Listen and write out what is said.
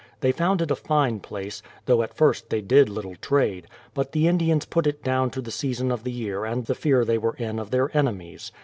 They found it a fine place, though at first they did little trade; but the Indians put it down to the season of the year and the fear they were in of their enemies.